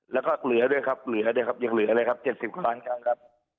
แล้วก็เหลือด้วยครับเหลือแล้วด้วยครับยังเหลือเลยครับ๗๐ล้านครั้งครับ